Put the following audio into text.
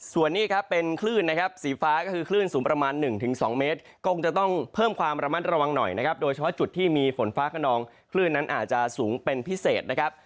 ส่วนนี้ครับเป็นคลื่นนะครับสีฟ้าก็คือคลื่นสูงประมาณ๑๒เมตรก็คงจะต้องเพิ่มความระมัดระวังหน่อยนะครับโดยเฉพาะจุดที่มีฝนฟ้าขนองคลื่นนั้นอาจจะสูงเป็นพิเศษนะครับ